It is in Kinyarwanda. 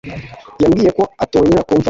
yambwiye ko atongera kumfasha